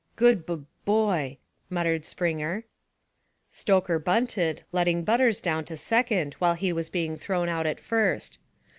"Good bub boy!" mumbled Springer. Stoker bunted, letting Butters down to second while he was being thrown out at first.